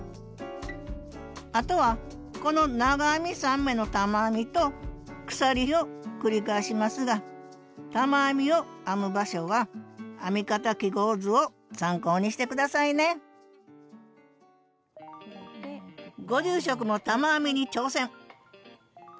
あとはこの長編み３目の玉編みと鎖を繰り返しますが玉編みを編む場所は編み方記号図を参考にして下さいねご住職も玉編みに挑戦！